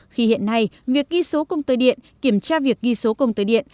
khi hiện nay việc ghi số công tư điện kiểm tra việc ghi số công tư điện